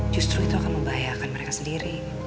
justru itu akan membahayakan mereka sendiri